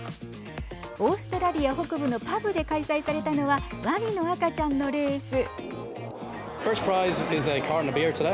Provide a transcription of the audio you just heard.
オーストラリア北部のパブで開催されたのはわにの赤ちゃんのレース。